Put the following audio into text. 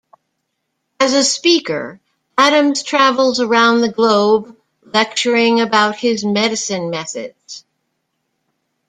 As a speaker, Adams travels around the globe lecturing about his medicine methods.